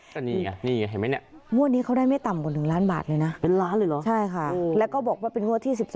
แต่มีอีกนะนี่ยังนี่เห็นไหมเนี่ย